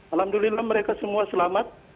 alhamdulillah mereka semua selamat